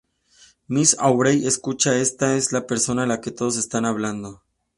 Miss Aubrey.-Escucha esta es la persona de la que todos están hablando.